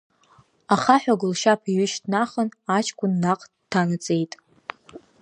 Ахаҳә агәылшьап иҩышьҭнахын, аҷкәын наҟ дҭанаҵеит.